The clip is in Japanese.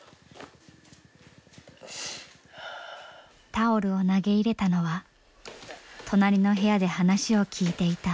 タオルを投げ入れたのは隣の部屋で話を聞いていた博さんでした。